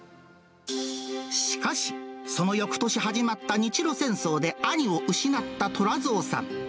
しかし、そのよくとし始まった日露戦争で兄を失った寅造さん。